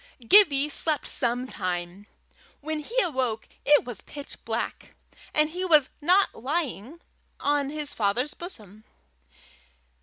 Gibbie slept some time. When he woke, it was pitch dark, and he was not lying on his father's bosom.